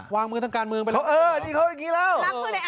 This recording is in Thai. วางมือทั้งการเมืองกว่า